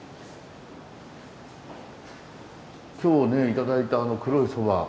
今日ね頂いたあの黒いそば